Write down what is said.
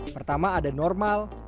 pertama ada normal